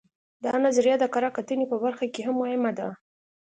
دا نظریه د کره کتنې په برخه کې هم مهمه ده